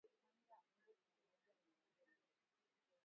kanga unga pamoja na hamira